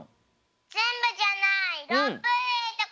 ぜんぶじゃない！